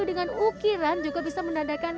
dengan ukiran juga bisa menandakan